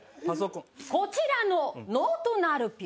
こちらのノートナルピュ。